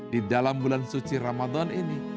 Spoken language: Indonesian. di dalam bulan suci ramadan ini